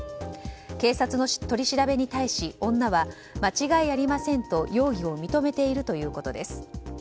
警察の取り調べに対し、女は間違いありませんと容疑を認めているということです。